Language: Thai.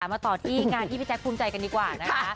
มาต่อที่งานที่พี่แจ๊คภูมิใจกันดีกว่านะคะ